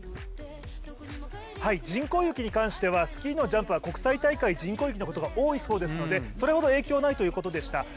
人工雪に関してはスキーのジャンプは国際大会、人工雪のことが多いそうですのでそれほど影響ないということでした。